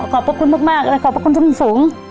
ขอบคุณมากและขอบคุณสูง